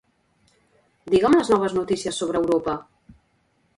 Digue'm les noves notícies sobre Europa.